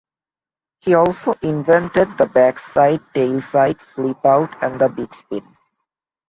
He also invented the backside tailslide flip-out and the Bigspin.